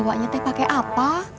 bawanya teh pake apa